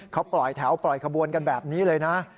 เขาปล่อยแถวปล่อยขบวนกันแบบนี้เลยนะ